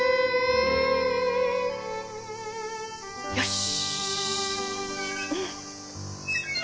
よし。